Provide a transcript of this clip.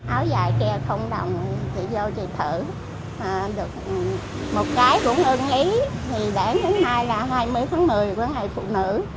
áo dài kè không đồng chị vô chị thử một cái cũng ưng ý đáng chứng mai là hai mươi tháng một mươi của ngày phụ nữ